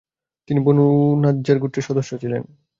তিনি বনু নাজ্জার গোত্রের সদস্য ছিলেন।